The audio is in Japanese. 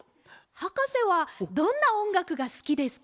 はかせはどんなおんがくがすきですか？